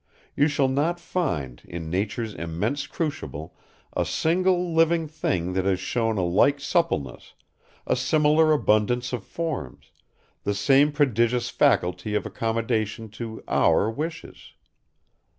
You shall not find, in nature's immense crucible, a single living being that has shown a like suppleness, a similar abundance of forms, the same prodigious faculty of accommodation to our wishes.